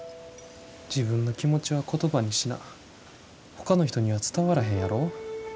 自分の気持ちは言葉にしなほかの人には伝わらへんやろ？